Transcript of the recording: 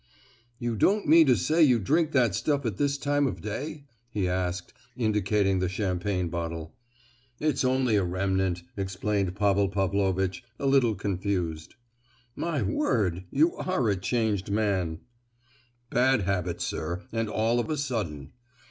"You don't mean to say you drink that stuff at this time of day?" he asked, indicating the champagne bottle. "It's only a remnant," explained Pavel Pavlovitch, a little confused. "My word! You are a changed man!" "Bad habits, sir; and all of a sudden.